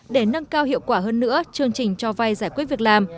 để nâng cao hiệu quả hơn nữa chương trình cho vay giải quyết việc làm